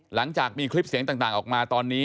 หลังจากมีคลิปเสียงต่างออกมาตอนนี้